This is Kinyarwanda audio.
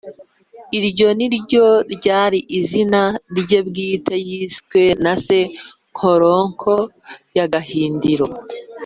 iryo niryo ryari izina rye bwite yiswe na se nkoronko ya gahindiro